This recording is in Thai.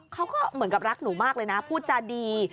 เขาก็เหมือนกับรักหนูมากเลยนะพูดจาดี